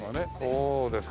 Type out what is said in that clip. そうですか。